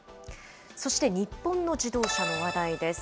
そして、日本の自動車の話題です。